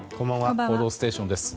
「報道ステーション」です。